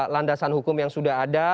landasan hukum yang sudah ada